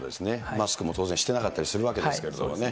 マスクも当然してなかったりするわけですけどね。